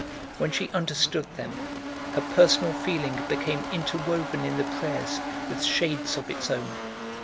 When she understood them her personal feeling became interwoven in the prayers with shades of its own.